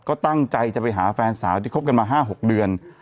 ก็ตั้งใจจะไปหาแฟนสาวที่คบกันมา๕๖เดือน